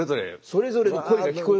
それぞれの声が聞こえる。